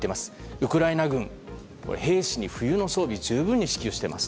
ウクライナ軍、兵士に冬の装備十分支給しています。